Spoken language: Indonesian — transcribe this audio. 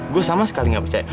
gue sama sekali nggak percaya